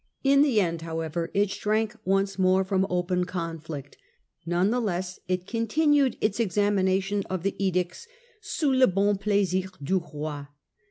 In the end however it shrank once more from open conflict. None the less it continued its examination of the edicts * sous le bon plaisir du roi.